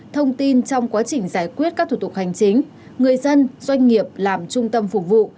thông tin trong quá trình giải quyết các thủ tục hành chính người dân doanh nghiệp làm trung tâm phục vụ